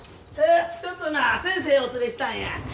ちょっとな先生お連れしたんや。